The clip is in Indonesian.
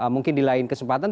mungkin di lain kesempatan